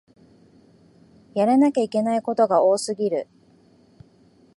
やらなきゃいけないことが多すぎる